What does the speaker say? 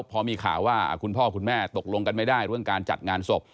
พอมีข่าวว่าคุณพ่อคุณแม่ตกลงกันไม่ได้เรื่องการจัดงานศพ